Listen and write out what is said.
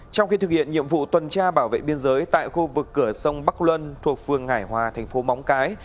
trong khi thực hiện nhiệm vụ tuần tra bảo vệ biên giới tại khu vực cửa sông bắc luân thuộc phường hải hòa thành phố móng cái